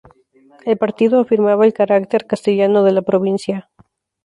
El partido afirmaba el carácter castellano de la provincia.